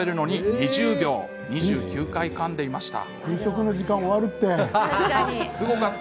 ２９回かんでいました。